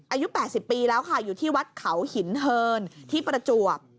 อายุ๘๐ปีแล้วค่ะอยู่ที่วัดเขาหินเฮินที่ประจวบ